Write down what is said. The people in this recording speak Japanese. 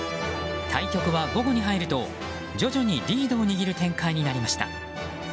対局は午後に入ると、徐々にリードを握る展開になりました。